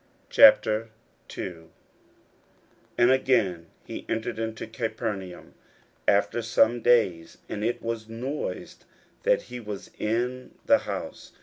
41:002:001 And again he entered into Capernaum after some days; and it was noised that he was in the house.